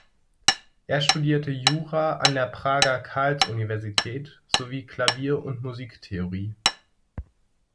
Er studierte Jura an der Prager Karlsuniversität sowie Klavier und Musiktheorie.